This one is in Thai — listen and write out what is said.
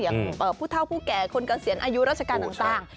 อยากเปิดผู้เท่าผู้แก่คนเกาะเศียรอายุราชการต่าง